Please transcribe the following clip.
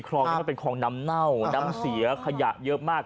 คลองนี้มันเป็นคลองน้ำเน่าน้ำเสียขยะเยอะมาก